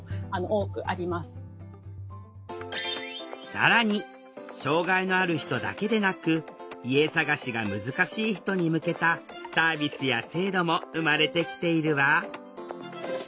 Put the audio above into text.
更に障害のある人だけでなく家探しが難しい人に向けたサービスや制度も生まれてきているわ。